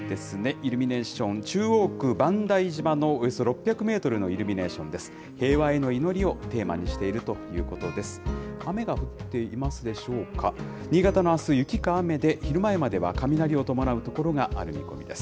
イルミネーション、中央区万代島のおよそ６００メートルのイルミネーションです。